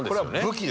武器。